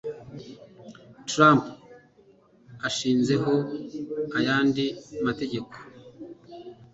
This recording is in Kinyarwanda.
Trump ashinzeho ayandi mategeko